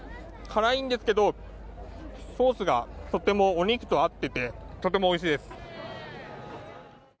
辛いんですけどソースがとてもお肉と合っててとてもおいしいです。